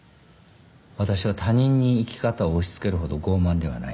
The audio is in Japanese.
私は他人に生き方を押し付けるほど傲慢ではない。